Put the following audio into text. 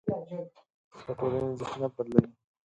د ټولنې ذهنیت بدلوي.